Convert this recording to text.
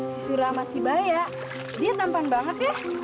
si surah sama si baya dia tampan banget ya